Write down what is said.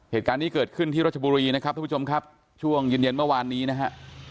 เหตุการณ์นี้เกิดขึ้นที่รัชบุรีนะครับทุกผู้ชมครับช่วงเย็นเย็นเมื่อวานนี้นะฮะ